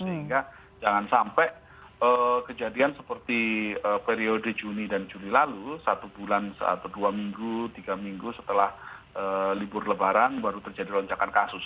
sehingga jangan sampai kejadian seperti periode juni dan juli lalu satu bulan atau dua minggu tiga minggu setelah libur lebaran baru terjadi lonjakan kasus